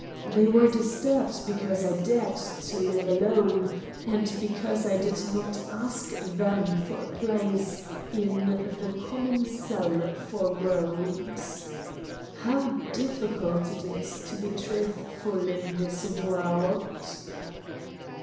They were disturbed because I dared to live alone, and because I did not ask them for a place in the "common cell for rogues." How difficult it is to be truthful in this world!